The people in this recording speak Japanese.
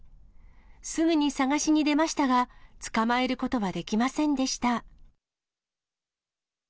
すぐに捜しに出ましたが、捕まえることはできませんでした。